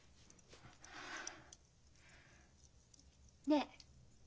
ねえ。